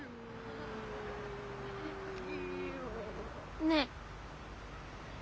ねえ。